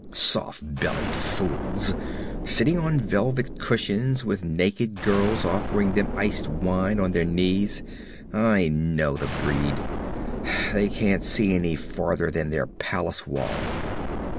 'Soft bellied fools sitting on velvet cushions with naked girls offering them iced wine on their knees I know the breed. They can't see any farther than their palace wall.